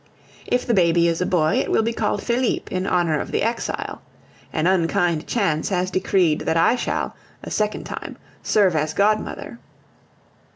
If the baby is a boy, it will be called Felipe, in honor of the exile. An unkind chance has decreed that I shall, a second time, serve as godmother.